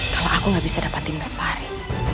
kalau aku gak bisa dapetin mas fahri